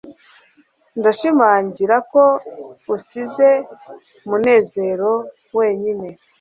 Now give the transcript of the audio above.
ndashimangira ko usize munezero wenyine